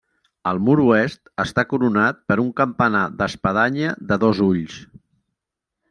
El mur oest està coronat per un campanar d'espadanya de dos ulls.